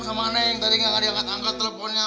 kenapa dimatikan teleponnya